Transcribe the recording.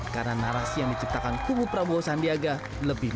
karena narasi yang diciptakan kubu prabowo sandiaga lebih